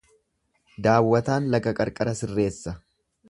Daawwataan laga qarqara sirreessa.